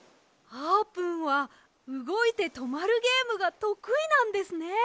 あーぷんはうごいてとまるゲームがとくいなんですね。